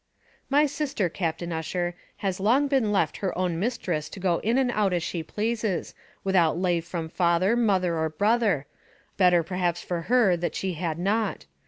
"My sister, Captain Ussher, has long been left her own misthress to go in and out as she plazes, without lave from father, mother, or brother; better perhaps for her that she had not!